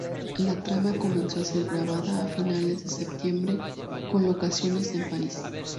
La trama comenzó a ser grabada a finales de septiembre, con locaciones en París.